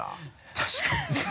確かに。